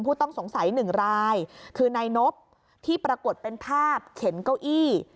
ผู้ต้องสงสัยหนึ่งรายคือนายนบที่ปรากฏเป็นภาพเข็นเก้าอี้